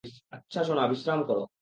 আচ্ছা সোনা, বিশ্রাম করো।